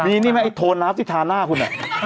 ดีนี่ไหมไอโทนน้ำที่ทาหน้าคุณ